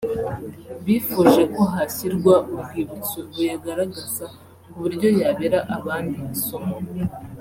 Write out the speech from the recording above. bifuje ko hashyirwa urwibutso ruyagaragaza ku buryo yabera abandi isomo